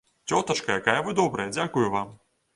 Цётачка, якая вы добрая, дзякую вам!